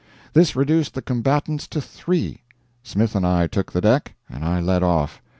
This reduced the combatants to three. Smith and I took the deck, and I led off.